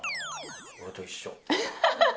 俺と一緒。